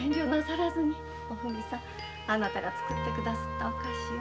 おふみさんあなたが作って下さったお菓子を。